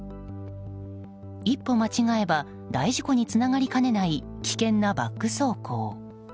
一歩間違えば大事故につながりかねない危険なバック走行。